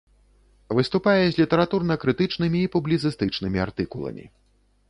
Выступае з літаратурна-крытычнымі і публіцыстычнымі артыкуламі.